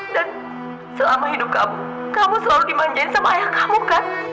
dan selama hidup kamu kamu selalu dimanjain sama ayah kamu kan